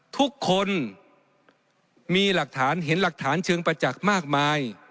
ทุกคนมีหลักฐานเห็นหลักฐานเชิงประจักษ์มากมาย